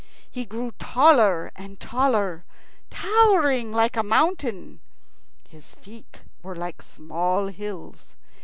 He grew taller and taller, towering like a mountain. His feet were like small hills.